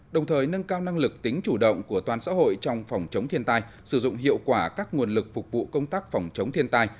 đồng thời nâng cao năng lực tính chủ động của toàn xã hội trong phòng chống thiên tai sử dụng hiệu quả các nguồn lực phục vụ công tác phòng chống thiên tai